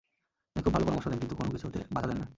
তিনি খুব ভালো পরামর্শ দেন কিন্তু কোনো কিছুতে বাধা দেন না।